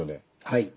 はい。